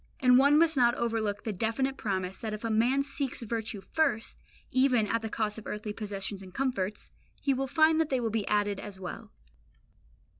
And one must not overlook the definite promise that if a man seeks virtue first, even at the cost of earthly possessions and comforts, he will find that they will be added as well.